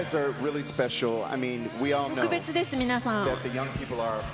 特別です、皆さん。